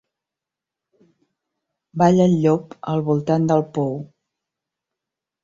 Balla el llop al voltant del pou.